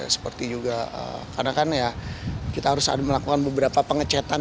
seperti juga karena kan ya kita harus melakukan beberapa pengecetan